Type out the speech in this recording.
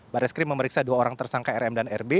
bareskrim memeriksa dua orang tersangka rm dan rb